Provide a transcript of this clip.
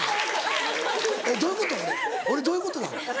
俺どういうことなの？